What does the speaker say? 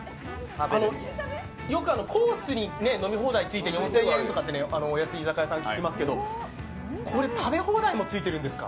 よくコースに飲み放題がついて４０００円とかってお安い居酒屋さん聞きますけどこれ、食べ放題もついているんですか？